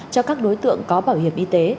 cho các đối tượng có bảo hiểm y tế